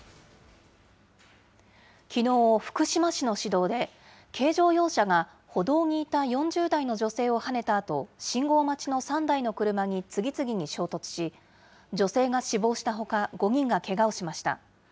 きのう、福島市の市道で、軽乗用車が歩道にいた４０代の女性をはねたあと、信号待ちの３台の車に次々に衝突し、女性が死亡したほか、５人がけがをしました。